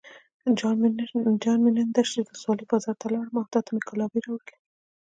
جان مې نن دشټي ولسوالۍ بازار ته لاړم او تاته مې ګلابي راوړې.